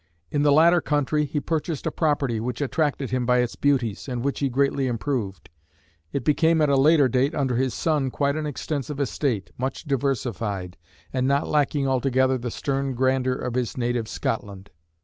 In the latter country, he purchased a property which attracted him by its beauties, and which he greatly improved. It became at a later date, under his son, quite an extensive estate, much diversified, and not lacking altogether the stern grandeur of his native Scotland.